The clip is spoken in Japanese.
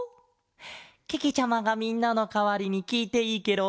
けけちゃまがみんなのかわりにきいていいケロ？